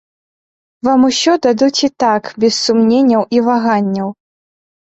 Вам усё дадуць і так без сумненняў і ваганняў.